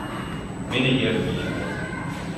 Minne jierren wienen dat.